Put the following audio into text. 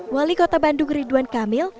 wali kota bandung ridwan kamil